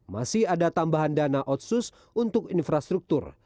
masih ada tambahan dana otsus untuk infrastruktur